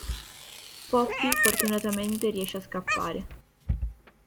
Poppy fortunatamente riesce a scappare.